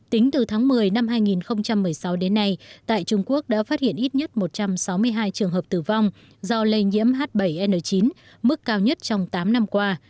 tính từ tháng một mươi năm hai nghìn một mươi sáu đến nay tại trung quốc đã phát hiện ít nhất một trăm sáu mươi hai trường hợp tử vong do lây nhiễm h bảy n chín mức cao nhất trong tám năm qua